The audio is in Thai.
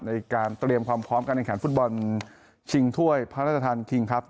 ในการเตรียมความพร้อมกันในขันฟุตบอร์นชิงถ้วยพระราชธรรมณ์คริ่งพรัพย์